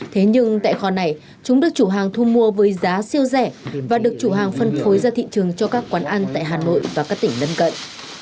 thế nhưng tại kho này chúng được chủ hàng thu mua với giá siêu rẻ và được chủ hàng phân phối ra thị trường cho các quán ăn tại hà nội và các tỉnh lân cận